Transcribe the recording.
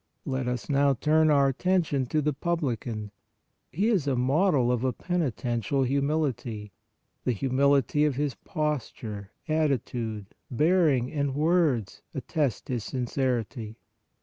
Let us now turn our attention to the publican. He is a model of a penitential humility. The humility of his posture, attitude, bearing and words attest his sincerity.